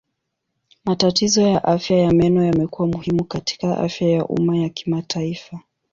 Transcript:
Matatizo ya afya ya meno yamekuwa muhimu katika afya ya umma ya kimataifa.